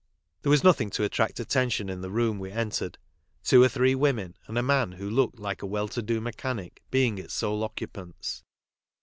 There was nothing to attract attention in the room we entered, two or three women, and a man who looked liked a well to do mechanic, being its sole occupants.